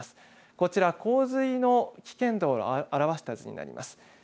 こちら、洪水の危険度を表した図になります。